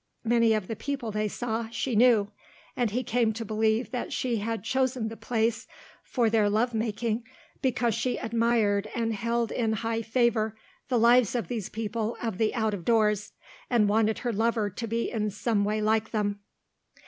Many of the people they saw she knew, and he came to believe that she had chosen the place for their love making because she admired and held in high favour the lives of these people of the out of doors and wanted her lover to be in some way like them.